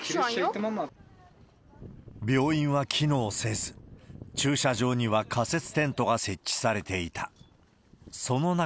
病院は機能せず、駐車場には仮設テントが設置されていた。